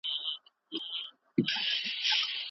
د چا چې ږیره وه هغه به له الله جل جلاله څخه حیا کوله.